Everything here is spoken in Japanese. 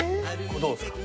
どうですか？